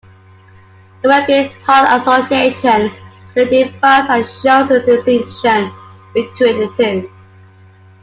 The American Heart Association clearly defines and shows the distinction between the two.